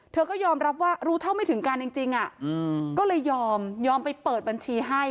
เธอก็ยอมรับว่ารู้เท่าไม่ถึงการจริงก็เลยยอมยอมไปเปิดบัญชีให้